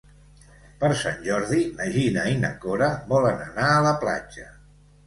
Per Sant Jordi na Gina i na Cora volen anar a la platja.